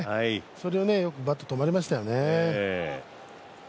それでバット止まりましたよね。